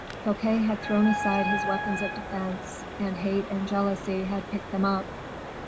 Fouquet had thrown aside his weapons of defense, and hate and jealousy had picked them up.